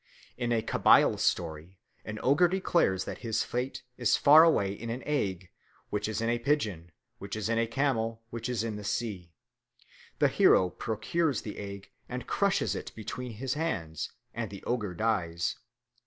In a Kabyle story an ogre declares that his fate is far away in an egg, which is in a pigeon, which is in a camel, which is in the sea. The hero procures the egg and crushes it between his hands, and the ogre dies.